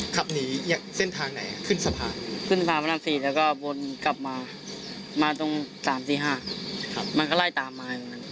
ขึ้นสะพานขึ้นสะพานพนักศรีแล้วก็วนกลับมามาตรง๓๔๕ค่ะมันก็ไล่ตามมาอยู่นั่น